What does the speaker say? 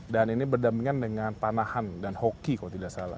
dan ini berdampingan dengan tanahan dan hoki kalau tidak salah